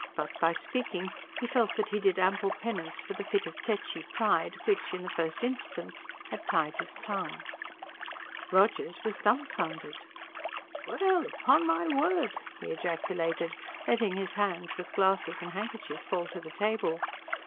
But, by speaking, he felt that he did ample penance for the fit of tetchy pride which, in the first instance, had tied his tongue. Rogers was dumbfounded. "Well, upon my word!" he ejaculated, letting his hands with glasses and handkerchief fall to the table.